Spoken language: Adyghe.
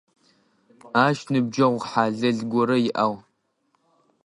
Ащ ныбджэгъу хьалэл горэ иӏагъ.